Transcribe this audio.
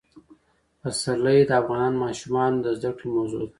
پسرلی د افغان ماشومانو د زده کړې موضوع ده.